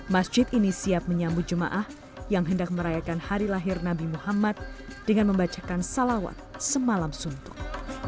masjid ini siap menyambut jemaah yang hendak merayakan hari lahir nabi muhammad dengan membacakan salawat semalam suntuh